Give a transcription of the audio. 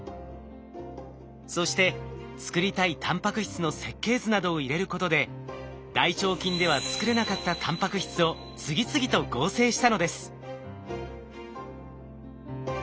そして作りたいタンパク質の設計図などを入れることで大腸菌では作れなかったタンパク質を次々と合成したのです。